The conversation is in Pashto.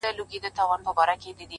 ددې سايه به ،پر تا خوره سي،